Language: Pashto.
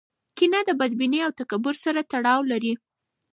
کینه د بدبینۍ او تکبر سره تړاو لري.